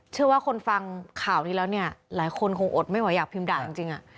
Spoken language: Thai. เชื่อว่าคนฟังข่าวนี้แล้วเนี่ยหลายคนคงอดไม่ไหวอยากพิมพ์ด่าจริง